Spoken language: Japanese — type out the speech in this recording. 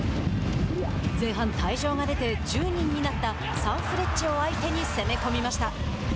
前半退場が出て１０人になったサンフレッチェを相手に攻め込みました。